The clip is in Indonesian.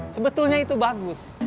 sebetulnya itu bagus